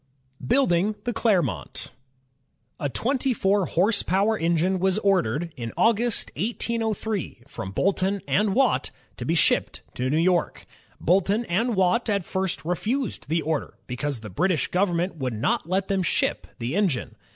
Building the Clermont A twenty four horse power engine was ordered, in August, 1803, from Boulton and Watt, to be shipped to New York.. Boulton and Watt at first refused the order, because the British government would not let them ship the engine.